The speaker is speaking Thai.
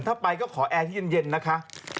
ถ้าไปก็ขอแอร์ที่เย็นนะคะ